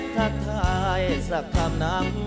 ทักทายสักคำน้ำพา